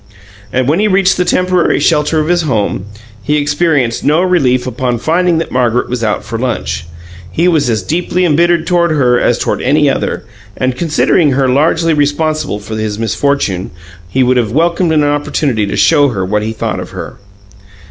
And when he reached the temporary shelter of his home, he experienced no relief upon finding that Margaret was out for lunch. He was as deeply embittered toward her as toward any other, and, considering her largely responsible for his misfortune, he would have welcomed an opportunity to show her what he thought of her.